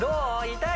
痛い？